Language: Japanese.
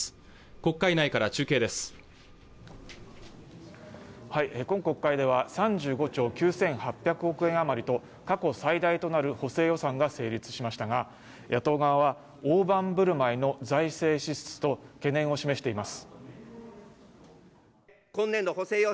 国会内から中継です今国会では３５兆９８００億円余りと過去最大となる補正予算が成立しましたが野党側は大盤振る舞いの財政支出と懸念を示しています